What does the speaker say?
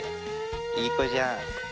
いい子じゃん。